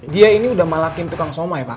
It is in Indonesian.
dia ini udah malakin tukang somai pak